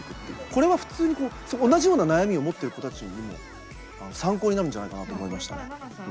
これは普通に同じような悩みを持っている子たちにも参考になるんじゃないかなと思いました。